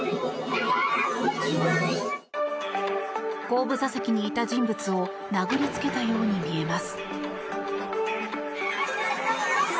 後部座席にいた人物を殴りつけたように見えます。